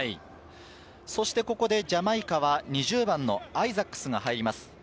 そしてここでジャマイカはアイザックスが入ります。